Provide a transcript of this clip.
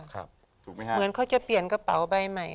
เหมือนเขาจะเปลี่ยนกระเป๋าใบใหม่